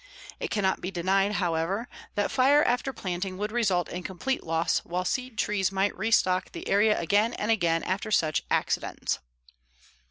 It cannot be denied, however, that fire after planting would result in complete loss, while seed trees might restock the area again and again after such accidents.